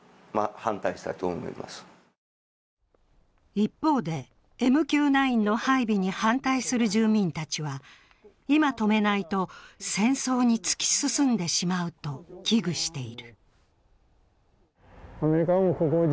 一方で、ＭＱ９の配備に反対する住民たちは、今止めないと、戦争に突き進んでしまうと危惧している。